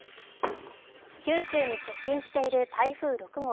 九州に接近している台風６号。